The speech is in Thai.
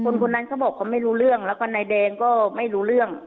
คนคนนั้นเขาบอกเขาไม่รู้เรื่องแล้วก็นายแดงก็ไม่รู้เรื่อง